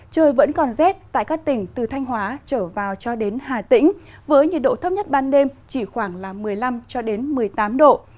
trời vẫn còn rét tại các tỉnh từ thanh hóa trở vào cho đến hà tĩnh với nhiệt độ thấp nhất ban đêm chỉ khoảng một mươi năm một mươi tám độ